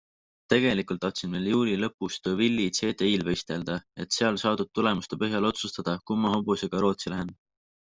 Tegelikult tahtsin veel juuli lõpus Deauville'i CDI'l võistelda, et seal saadud tulemuste põhjal otsustada, kumma hobusega Rootsi lähen.